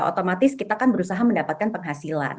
otomatis kita akan berusaha mendapatkan penghasilan